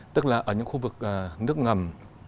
tức là ở những khu vực nước ngầm